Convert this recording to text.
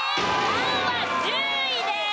「安」は１０位です。